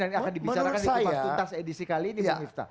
dan akan dibicarakan di kupas tuntas edisi kali ini pak miftah